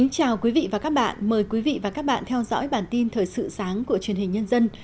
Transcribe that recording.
chào mừng quý vị đến với bản tin thời sự sáng của truyền hình nhân dân